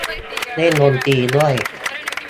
เล่นดนตรีด้วย